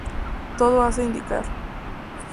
Todo hace indicar